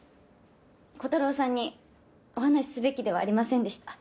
コタローさんにお話しすべきではありませんでした。